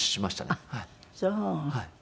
はい。